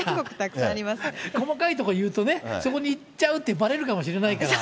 細かいところ言うとね、そこに行っちゃうってばれるかもしれないから。